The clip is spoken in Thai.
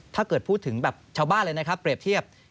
ถ้าเกิดพูดถึงแบบชาวบ้านเลยนะครับเปรียบเทียบ